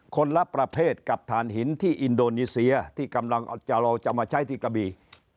คนละประเภทกับฐานหินที่อินโดนีเซียที่กำลังจะเราจะมาใช้ที่กระบี